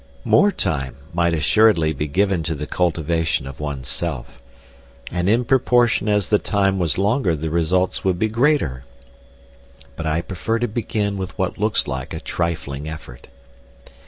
More time might assuredly be given to the cultivation of one's self. And in proportion as the time was longer the results would be greater. But I prefer to begin with what looks like a trifling effort.